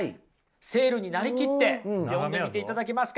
セールになりきって読んでみていただけますか？